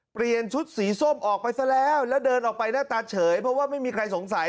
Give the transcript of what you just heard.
เปลี่ยนชุดสีส้มออกไปซะแล้วแล้วเดินออกไปหน้าตาเฉยเพราะว่าไม่มีใครสงสัย